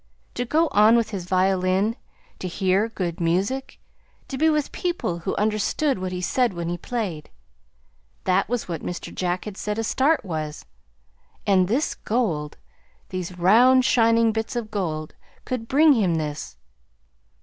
To go on with his violin, to hear good music, to be with people who understood what he said when he played! That was what Mr. Jack had said a "start" was. And this gold these round shining bits of gold could bring him this!